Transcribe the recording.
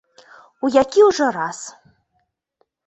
У які ўжо раз.